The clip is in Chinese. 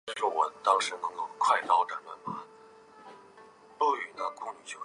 镰叶肾蕨为骨碎补科肾蕨属下的一个种。